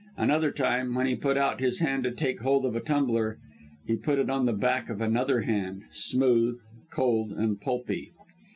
Another time, when he put out his hand to take hold of a tumbler, he put it on the back of another hand smooth, cold and pulpy!